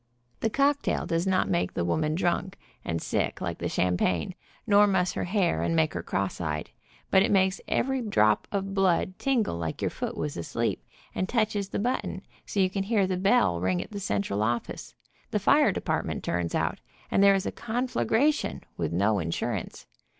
The cocktail does not make the woman drunk and sick, like the champagne, nor muss her hair, ami make her cross eyed, but it makes every drop of blood tingle like your foot was asleep, and touches the button so you can hear the bell ring at the central office, the fire department turns out, and there is a conflagration, with no insurance.